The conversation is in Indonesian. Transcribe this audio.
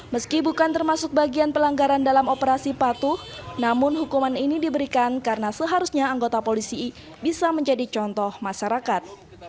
meski bukan termasuk bagian pelanggaran dalam operasi patuh namun hukuman ini diberikan karena seharusnya anggota polisi bisa menjadi contoh masyarakat